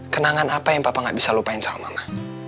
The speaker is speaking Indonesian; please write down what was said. kenangan apa yang bapak gak bisa lupain sama mama